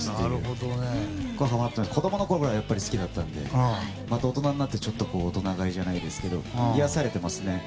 子供のころから好きだったんでまた大人になって大人買いじゃないですけど癒やされていますね。